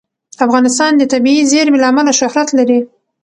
افغانستان د طبیعي زیرمې له امله شهرت لري.